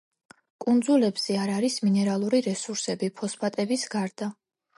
კუნძულებზე არ არის მინერალური რესურსები, ფოსფატების გარდა.